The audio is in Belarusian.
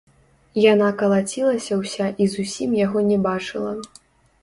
Яна калацілася ўся і зусім яго не бачыла.